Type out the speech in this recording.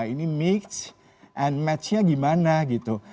ini mix and matchnya gimana gitu